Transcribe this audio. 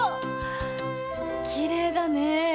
きれいだね。